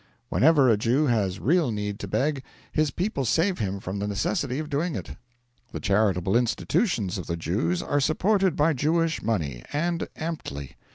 Whenever a Jew has real need to beg, his people save him from the necessity of doing it. The charitable institutions of the Jews are supported by Jewish money, and amply.